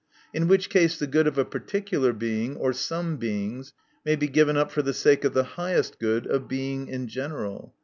In which case the good of a particular Being, or some Beings, may be given up for the sake of the highest good of Being in general.